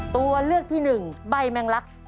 ตัวเลือกที่๑ใบแมงลัก